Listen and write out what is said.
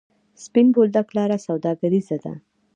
سپین بولدک لاره سوداګریزه ده؟